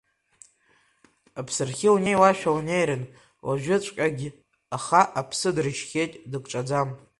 Аԥсрахьы унеиуашәа унеирын уажәыҵәҟьагь, аха аԥсы дыржхьеит, дыкҿаӡам.